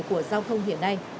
của giao thông hiện nay